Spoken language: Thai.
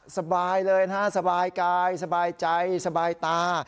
สบายเลยนะฮะสบายกายสบายใจสบายตา